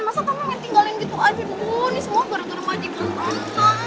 masa kamu ingin tinggalin gitu aja dong ini semua gara gara majikan tante